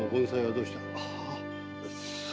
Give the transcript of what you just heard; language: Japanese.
どうした？